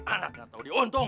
anak gak tau diuntung